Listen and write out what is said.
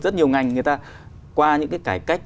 rất nhiều ngành người ta qua những cái cải cách